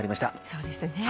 そうですね。